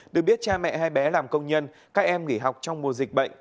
được biết cha mẹ hai bé làm công nhân các em nghỉ học trong mùa dịch bệnh